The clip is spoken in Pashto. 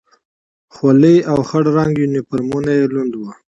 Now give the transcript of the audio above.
خولۍ او خړ رنګه یونیفورمونه یې لوند و.